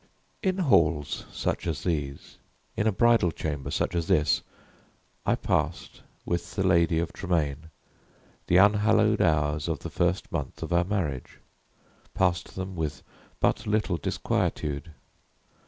In halls such as these in a bridal chamber such as this I passed, with the Lady of Tremaine, the unhallowed hours of the first month of our marriage passed them with but little disquietude.